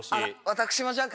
私もじゃあ。